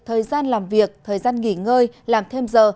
thời gian làm việc thời gian nghỉ ngơi làm thêm giờ